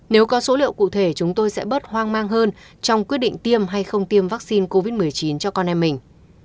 nếu có số liệu cụ thể chúng tôi sẽ bớt hoang mang hơn trong quyết định tiêm hay không tiêm vaccine covid một mươi chín cho con em mình